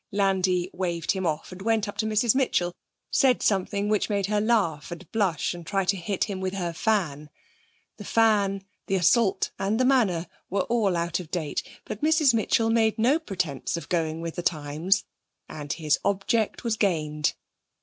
Landi waved him off and went up to Mrs Mitchell, said something which made her laugh and blush and try to hit him with her fan the fan, the assault and the manner were all out of date, but Mrs Mitchell made no pretence at going with the times and his object was gained.